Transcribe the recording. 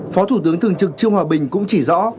phó thủ tướng thường trực trương hòa bình cũng chỉ rõ